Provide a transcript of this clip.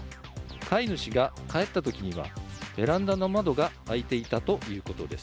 飼い主が帰ったときにはベランダの窓が開いていたということです。